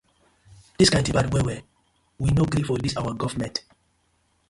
Dis kin tin bad well well, we no gree for dis our gofment.